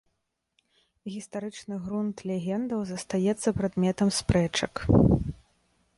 Гістарычны грунт легендаў застаецца прадметам спрэчак.